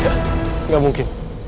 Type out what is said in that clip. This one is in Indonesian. tidak tidak mungkin